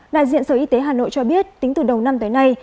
đại diện sở y tế hà nội cho biết tính từ đầu năm tới nay